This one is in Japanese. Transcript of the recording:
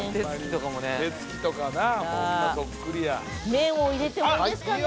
麺を入れてもいいですかね？